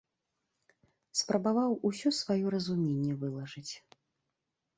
Спрабаваў усё сваё разуменне вылажыць.